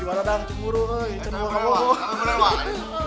si waradang cemuru ini cemuru kamu